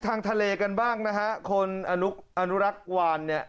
ทางทะเลกันบ้างนะฮะคนอนุรักษ์วานเนี่ย